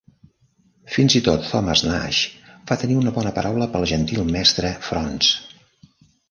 Fins i tot Thomas Nashe va tenir una bona paraula pel "gentil mestre Fraunce".